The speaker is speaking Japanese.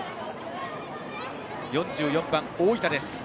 ４４番、大分です。